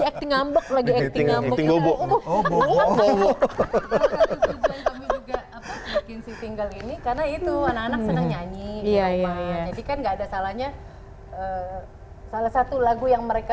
karena itu anak anak senang nyanyi iya ya jadi kan nggak ada salahnya salah satu lagu yang mereka